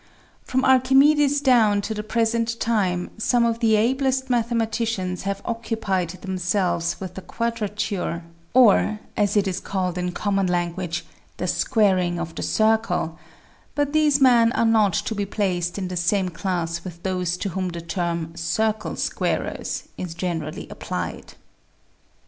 From Archimedes down to the present time some of the ablest mathemati cians have occupied themselves with the quadrature, or, as it is called in common language, "the squaring of the circle "; but these men are not to be placed in the same class with those to whom the term " circle squarers " is generally applied.